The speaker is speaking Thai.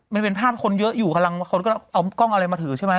มันเป็นภาพคนเยอะอยู่กำลังคนก็เอากล้องอะไรมาถือใช่ไหม